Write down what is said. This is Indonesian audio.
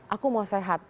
aku mau sehat